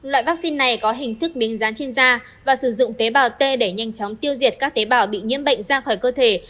loại vaccine này có hình thức miếng rán trên da và sử dụng tế bào t để nhanh chóng tiêu diệt các tế bào bị nhiễm bệnh ra khỏi cơ thể